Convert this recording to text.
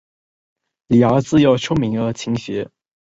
李鏊自幼聪明而勤学。